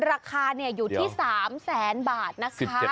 ราคาเนี่ยอยู่ที่๓๐๐๐๐๐๐บาทนะคะ